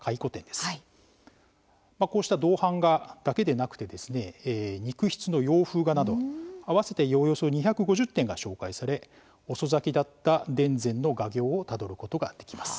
まあこうした銅版画だけでなくてですね肉筆の洋風画などあわせておよそ２５０点が紹介され遅咲きだった田善の画業をたどることができます。